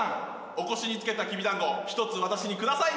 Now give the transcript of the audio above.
お腰につけたきびだんご１つ私にください